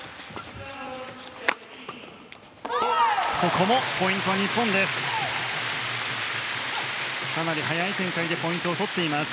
ここもポイントは日本です。